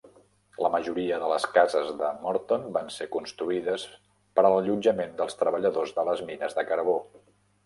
La majoria de les cases de Morton van ser construïdes per a l'allotjament dels treballadors de les mines de carbó.